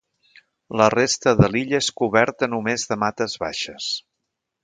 La resta de l'illa és coberta només de mates baixes.